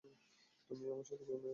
তুমিও আমার সাথে ঘুমিয়ে পড়।